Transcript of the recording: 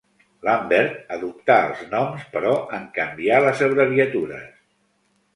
Lambert adoptà els noms però en canvià les abreviatures.